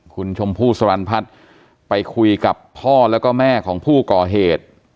คุณชมพู่สรรพัฒน์ไปคุยกับพ่อแล้วก็แม่ของผู้ก่อเหตุ